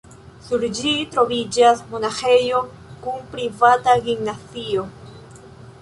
Sur ĝi troviĝas monaĥejo kun privata gimnazio.